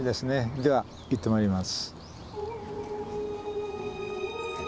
では行ってまいります。